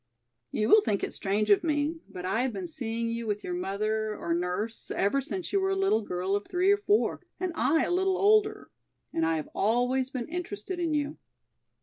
You will think it strange of me, but I have been seeing you with your mother or nurse ever since you were a little girl of three or four and I a little older, and I have always been interested in you."